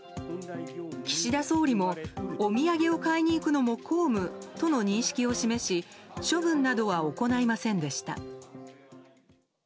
岸田総理もお土産を買いに行くのも公務との認識を示し処分などは行いませんでした。